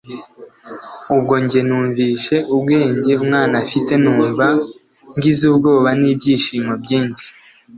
ubwo njye numvishe ubwenge umwana afite numva ngizubwoba nibyishimo byinshi